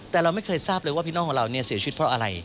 แต่เราไม่เคยทราบเลยว่าพี่น้องของเราเนี่ยเสียชีวิตเพราะอะไร